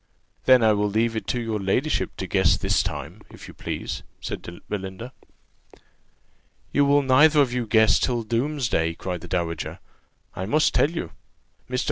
"Then I will leave it to your ladyship to guess this time, if you please," said Belinda. "You will neither of you guess till doomsday!" cried the dowager; "I must tell you. Mr.